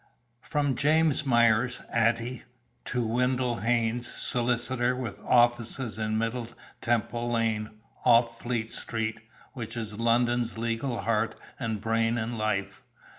From James Myers, Att'y, to Wendell Haynes, solicitor, with offices in Middle Temple Lane, off Fleet Street, which is London's legal heart and brain and life.